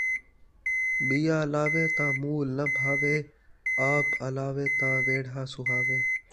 ٻیا الاوے تاں مول ناں بھاوے، آپ الاوے تاں ویڑھا سُہاوے